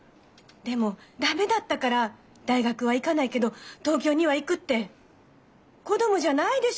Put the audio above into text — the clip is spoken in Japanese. でもダメだったから大学は行かないけど東京には行くって子供じゃないでしょう